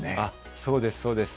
そうです、そうです。